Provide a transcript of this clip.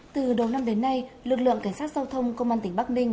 từ đầu năm đến nay lực lượng cảnh sát giao thông công an tỉnh bắc ninh